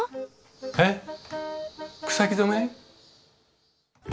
えっ草木染め？